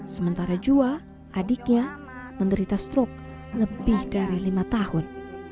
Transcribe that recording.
sementara jua adiknya menderita strok lebih dari lima tahun